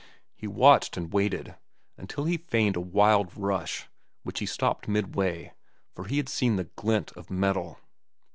He watched and waited, until he feigned a wild rush, which he stopped midway, for he had seen the glint of metal.